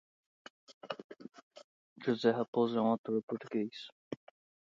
José Raposo é um ator português.